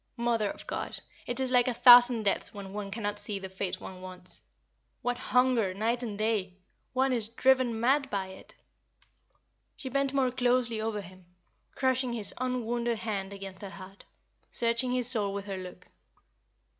Mother of God! it is like a thousand deaths when one cannot see the face one wants. What hunger night and day! one is driven mad by it!" She bent more closely over him, crushing his un wounded hand against her heart searching his soul with her look.